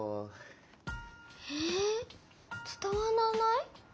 えつたわらない？